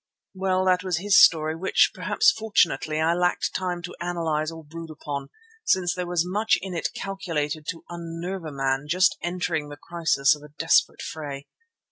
Well, that was his story which, perhaps fortunately, I lacked time to analyse or brood upon, since there was much in it calculated to unnerve a man just entering the crisis of a desperate fray.